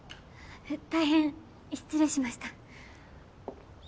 大変失礼しました。